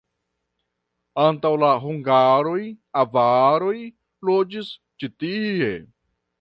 Antaŭ la hungaroj avaroj loĝis ĉi tie.